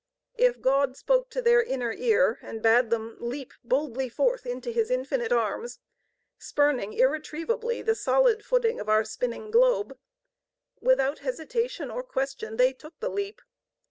If God spoke to their inner ear and bade them leap boldly forth into His Infinite Arms, spurning irretrievably the solid footing of our spinning globe, without hesitation or question they took the leap.